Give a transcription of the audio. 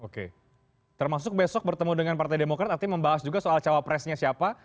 oke termasuk besok bertemu dengan partai demokrat artinya membahas juga soal cawapresnya siapa